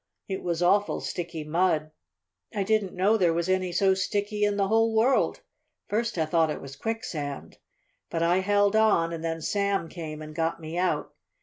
It was awful sticky mud. I didn't know there was any so sticky in the whole world! First I thought it was quicksand. But I held on and then Sam came and got me out.